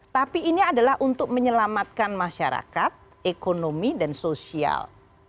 tapi ini adalah untuk menyelamatkan masyarakat ekonomi dan sosial